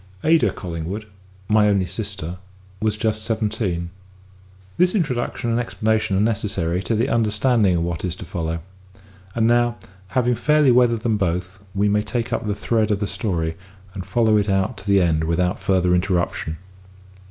Ada Collingwood, my only sister, was just seventeen. This introduction and explanation are necessary to the understanding of what is to follow; and now, having fairly weathered them both, we may take up the thread of the story, and follow it out to the end without further interruption.